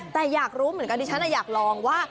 แต่อยากรู้เหมือนกันดิฉันอยากลองว่า